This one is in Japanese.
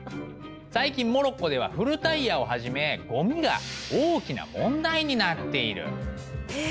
最近モロッコでは古タイヤをはじめゴミが大きな問題になっている。え！